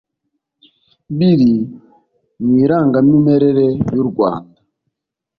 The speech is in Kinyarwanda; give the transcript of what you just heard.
biri mu irangamimerere y urwanda